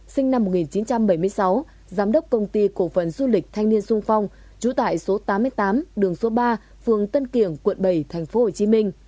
sinh năm một nghìn chín trăm bảy mươi sáu giám đốc công ty cổ phần du lịch thanh niên sung phong trú tại số tám mươi tám đường số ba phường tân kiểng quận bảy tp hcm